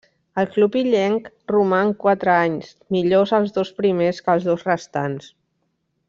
Al club illenc roman quatre anys, millors els dos primers que els dos restants.